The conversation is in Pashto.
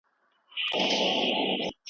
د دولت د پیاوړتیا لپاره محدوده اصول سته.